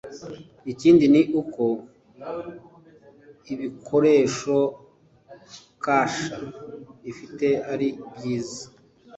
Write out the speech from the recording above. ikindi ni uko ibikoresho Kasha ifite ari byiza